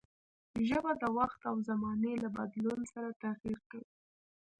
ژبه د وخت او زمانې له بدلون سره تغير کوي.